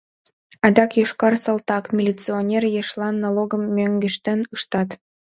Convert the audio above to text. Адак йошкар салтак, милиционер ешлан налогым мӧҥгештен ыштат.